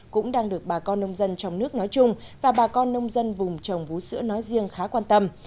cũng đang được bà con nông dân trong nước nói chung và bà con nông dân vùng trồng vũ sữa nói riêng khá quan tâm